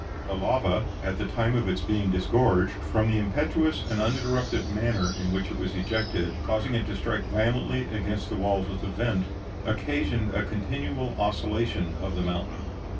The lava, at the time of its being disgorged, from the impetuous and uninterrupted manner in which it was ejected, causing it to strike violently against the walls of the vent, occasioned a continual oscillation of the mountain.